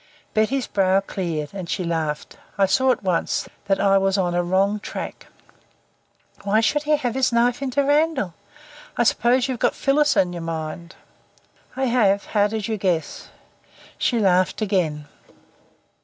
Betty's brow cleared, and she laughed. I saw at once that I was on a wrong track. "Why should he have his knife into Randall? I suppose you've got Phyllis in your mind." "I have. How did you guess?" She laughed again.